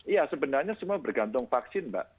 iya sebenarnya semua bergantung vaksin mbak